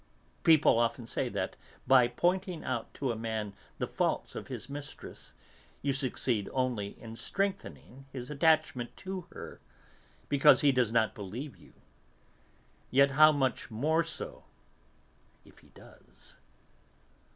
People often say that, by pointing out to a man the faults of his mistress, you succeed only in strengthening his attachment to her, because he does not believe you; yet how much more so if he does!